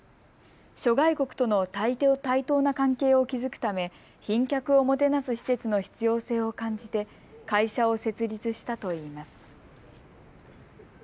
諸外国との対等な関係を築くため賓客をもてなす施設の必要性を感じて会社を設立したといいます。